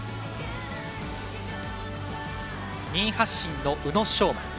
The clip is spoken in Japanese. ２位発進の宇野昌磨。